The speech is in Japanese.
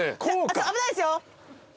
危ないですよ。